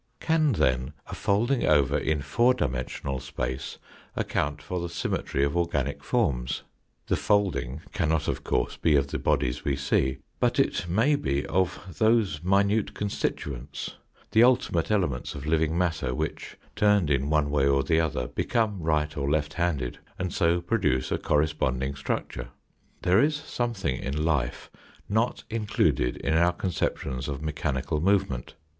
Can, then, a folding over in four dimensional space account for the symmetry of organic forms ? The folding cannot of course be of the bodies we see, but it may be of those minute constituents, the ultimate elements of living matter which, turned in one way or the other, become right or left handed, and so produce a corresponding structure. There is something in life not included in our concep tions of mechanical movement.